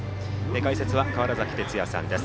解説は川原崎哲也さんです。